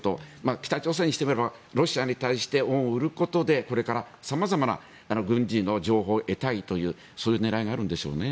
北朝鮮にしてみればロシアに対して恩を売ることでこれから様々な軍事の情報を得たいというそういう狙いがあるんでしょうね。